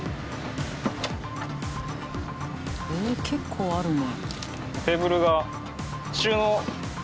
えっ結構あるね。